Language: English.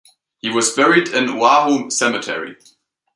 He was buried in Oahu Cemetery.